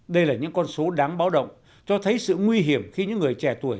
đây là những con số đáng báo động cho thấy sự nguy hiểm khi những người trẻ tuổi